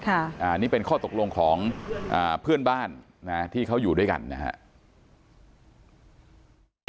อันนี้เป็นข้อตกลงของเพื่อนบ้านนะที่เขาอยู่ด้วยกันนะครับ